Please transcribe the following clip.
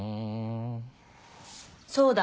そうだ。